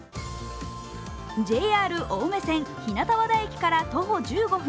ＪＲ青梅線・日向和田駅から徒歩１５分。